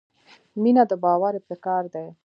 • مینه د باور ابتکار دی.